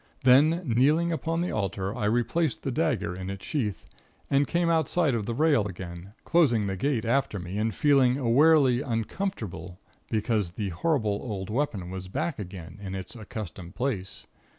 Then, kneeling upon the altar, I replaced the dagger in its sheath, and came outside of the rail again, closing the gate after me and feeling awarely uncomfortable because the horrible old weapon was back again in its accustomed place.